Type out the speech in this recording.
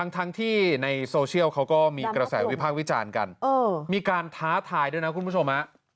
ทั้งที่ในโซเชียลเขาก็มีกระแสวิพากษ์วิจารณ์กันมีการท้าทายด้วยนะคุณผู้ชม